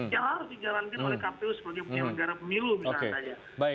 yang harus dijalankan oleh kp seperti yang punya negara pemilu misalnya saja